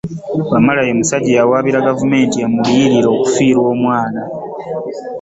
Wamala ye musajja eyawaabira gavumenti emuliyirire okufiirwa omwana.